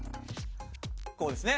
こうですね。